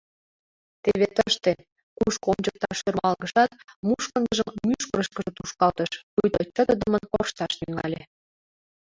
Теве тыште! — кушко ончыкташ ӧрмалгышат, мушкындыжым мӱшкырышкыжӧ тушкалтыш, пуйто чытыдымын коршташ тӱҥале.